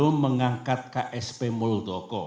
mengangkat ksp muldoko